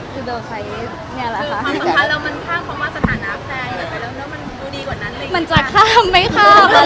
ความสำคัญเรามันข้ามพวกเรามาสถานะแพทย์